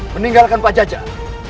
meninggalkan pak jajah